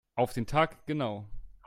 Auf den Tag genau.